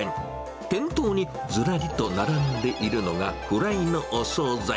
店頭にずらりと並んでいるのがフライのお総菜。